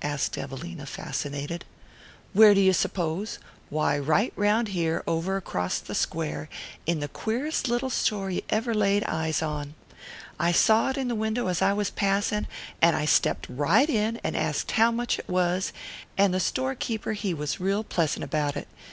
asked Evelina, fascinated. "Where'd you s'pose? Why, right round here, over acrost the Square, in the queerest little store you ever laid eyes on. I saw it in the window as I was passing, and I stepped right in and asked how much it was, and the store keeper he was real pleasant about it.